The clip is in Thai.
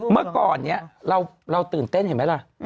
เมื่อก่อนนี้เราตื่นเต้นเห็นไหมล่ะ